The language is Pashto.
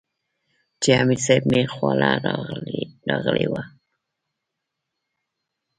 چې امير صېب مې خواله راغلے وۀ -